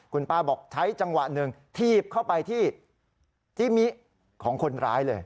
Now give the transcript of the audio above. คุณป้าบอกใช้จังหวะหนึ่งถีบเข้าไปที่มิของคนร้ายเลย